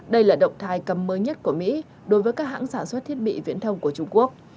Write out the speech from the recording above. đây là động thái cấm mới nhất của mỹ đối với các hãng sản xuất thiết bị viễn thông của trung quốc